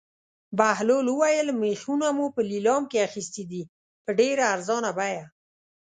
بهلول وویل: مېخونه مو په لېلام کې اخیستي دي په ډېره ارزانه بیه.